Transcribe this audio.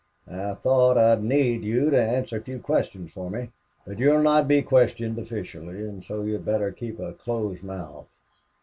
I thought I'd need you to answer a few questions for me. But you'll not be questioned officially, and so you'd better keep a close mouth...